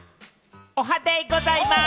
おはデイございます！